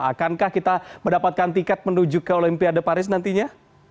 akankah kita mendapatkan tiket menuju ke olimpiade paris nantinya